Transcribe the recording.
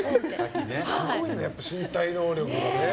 すごいんだね、身体能力が。